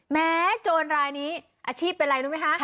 โจรรายนี้อาชีพเป็นอะไรรู้ไหมคะ